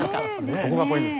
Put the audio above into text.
そこがポイントです。